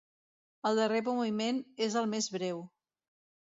El darrer moviment és el més breu.